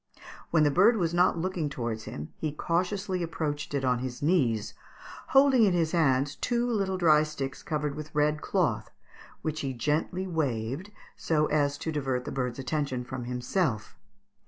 When the bird was not looking towards him he cautiously approached it on his knees, holding in his hands two little dry sticks covered with red cloth, which he gently waved so as to divert the bird's attention from himself.